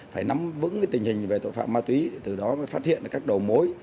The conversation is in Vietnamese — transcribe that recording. phải nắm vững tình hình về tội phạm ma túy từ đó mới phát hiện các đầu mối